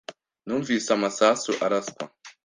Numvise amasasu araswa.